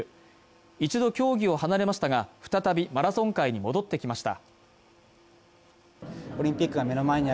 一度、競技を離れましたが再びマラソン界に戻ってきました。